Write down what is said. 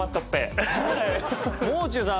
もう中さん